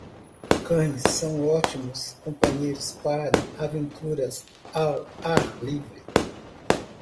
Cães são ótimos companheiros para aventuras ao ar livre.